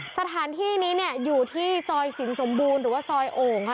สถานที่นี้เนี่ยอยู่ที่ซอยสินสมบูรณ์หรือว่าซอยโอ่งค่ะ